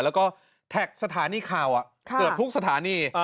แล้วก็แท็กสถานีข่าวอ่ะเปิดทุกสถานี